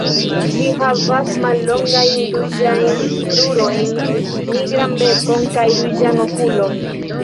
Ĝi havas mallongajn ruĝajn krurojn, nigran bekon kaj ruĝan okulon.